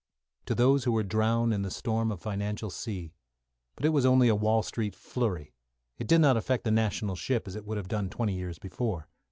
To those who were drowned in the storm of financial sea. But it was only a Wall Street flurry; it did not affect the national ship as it would have done twenty years before.